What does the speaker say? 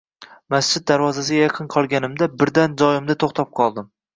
Masjid darvozasiga yaqin qolganimda birdan joyimda toʻxtab qoldim